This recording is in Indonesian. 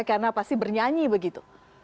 karena pasti bernyanyi begitu